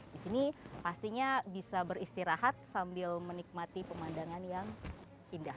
di sini pastinya bisa beristirahat sambil menikmati pemandangan yang indah